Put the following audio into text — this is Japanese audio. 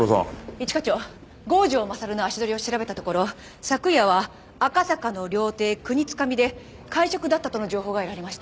一課長郷城勝の足取りを調べたところ昨夜は赤坂の料亭で会食だったとの情報が得られました。